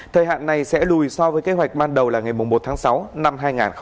thời hạn này sẽ lùi so với kế hoạch ban đầu là ngày một tháng sáu năm hai nghìn hai mươi